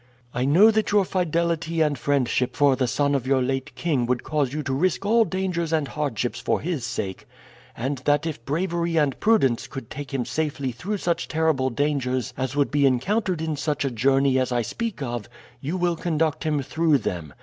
"I know that your fidelity and friendship for the son of your late king would cause you to risk all dangers and hardships for his sake, and that if bravery and prudence could take him safely through such terrible dangers as would be encountered in such a journey as I speak of, you will conduct him through them.